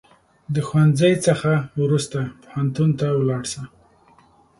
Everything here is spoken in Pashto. د ښوونځي څخه وروسته پوهنتون ته ولاړ سه